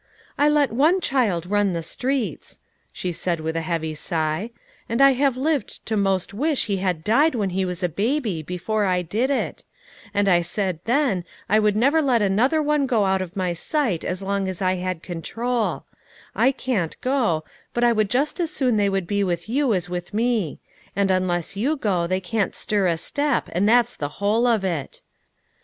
"I let one child run the streets," she said with a heavy sigh, "and I have lived to most wish he had died when he was a baby, before I did it ; and I said then I would never let another one go out of my sight as long as I had control ; I can't go ; but I would just as soon they would be with you as with me ; and unless you go, they can't stir a step, and that's the whole of it."